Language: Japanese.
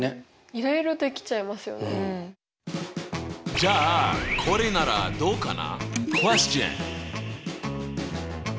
じゃあこれならどうかな？